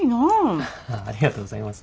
アハハありがとうございます。